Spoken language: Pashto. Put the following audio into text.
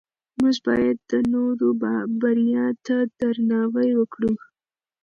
موږ باید د نورو بریا ته درناوی وکړو